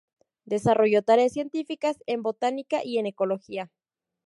Desarrolló tareas científicas en Botánica y en Ecología.